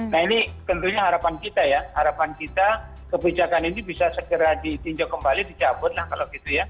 nah ini tentunya harapan kita ya harapan kita kebijakan ini bisa segera ditinjau kembali dicabut lah kalau gitu ya